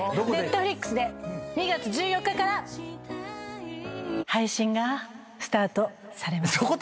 Ｎｅｔｆｌｉｘで２月１４日から配信がスタートされます。